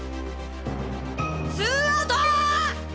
ツーアウト！